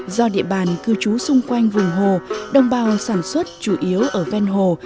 do địa bàn cư trú xung quanh vùng hồ đồng bào sản xuất chủ yếu ở ven hồ